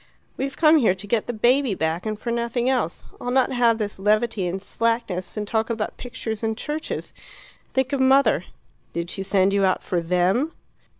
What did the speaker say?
"We've come here to get the baby back, and for nothing else. I'll not have this levity and slackness, and talk about pictures and churches. Think of mother; did she send you out for THEM?"